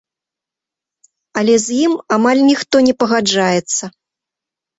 Але з ім амаль ніхто не пагаджаецца.